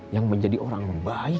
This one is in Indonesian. yang menjadi orang baik